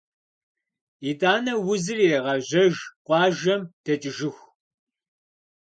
Итӏанэ узыр ирагъэжьэж къуажэм дэкӏыжыху.